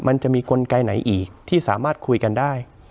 มันจะมีกลไกไหนอีกที่สามารถคุยกันได้